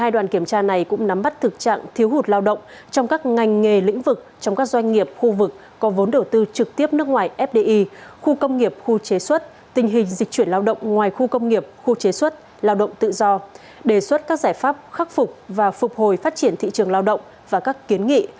đoàn kiểm tra này cũng nắm bắt thực trạng thiếu hụt lao động trong các ngành nghề lĩnh vực trong các doanh nghiệp khu vực có vốn đầu tư trực tiếp nước ngoài fdi khu công nghiệp khu chế xuất tình hình dịch chuyển lao động ngoài khu công nghiệp khu chế xuất lao động tự do đề xuất các giải pháp khắc phục và phục hồi phát triển thị trường lao động và các kiến nghị